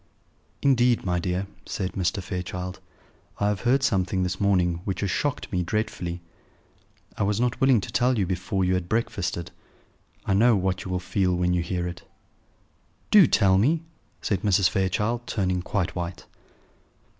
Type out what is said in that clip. "Indeed, my dear," said Mr. Fairchild, "I have heard something this morning which has shocked me dreadfully. I was not willing to tell you before you had breakfasted. I know what you will feel when you hear it." "Do tell me," said Mrs. Fairchild, turning quite white.